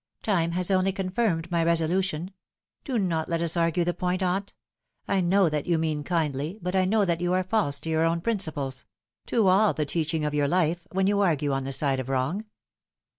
"Time has only confirmed my resolution. Do not let us argue the point, aunt. I know that you mean kindly, but I know As the Sands Run Down. 297 that you are false to your own principles to all the teaching of your life when you argue on the side of wrong."